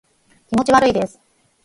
気持ち悪いです